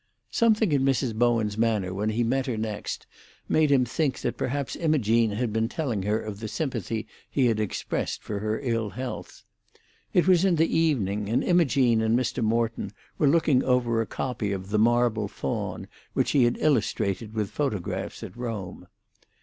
Something in Mrs. Bowen's manner when he met her next made him think that perhaps Imogene had been telling her of the sympathy he had expressed for her ill health. It was in the evening, and Imogene and Mr. Morton were looking over a copy of The Marble Faun, which he had illustrated with photographs at Rome.